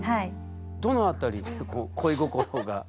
どの辺りで恋心が？